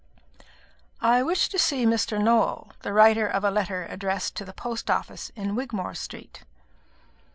"I wish to see Mr. Nowell, the writer of a letter addressed to the post office in Wigmore Street."